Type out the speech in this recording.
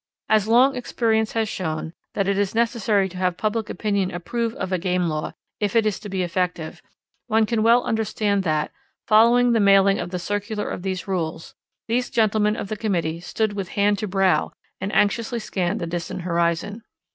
As long experience has shown that it is necessary to have public opinion approve of a game law if it is to be effective, one can well understand that, following the mailing of the circular of rules, these gentlemen of the committee stood with hand to brow and anxiously scanned the distant horizon.